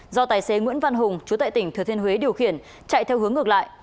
do tài xế nguyễn văn hùng chú tại tỉnh thừa thiên huế điều khiển chạy theo hướng ngược lại